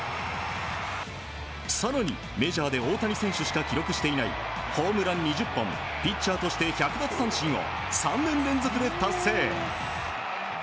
更に、メジャーで大谷選手しか記録していないホームラン２０本ピッチャーとして１００奪三振を３年連続で達成。